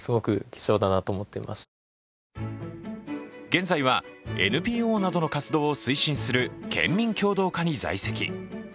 現在はＮＰＯなどの活動を推進する県民協働課に在籍。